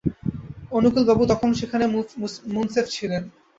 অনুকূলবাবু তখন সেখানে মুন্সেফ ছিলেন।